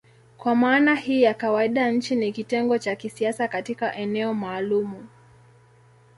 Kwa maana hii ya kawaida nchi ni kitengo cha kisiasa katika eneo maalumu.